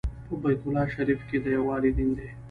په بیت الله شریف کې د یووالي دین دی.